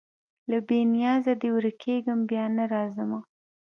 له بې نیازیه دي ورکېږمه بیا نه راځمه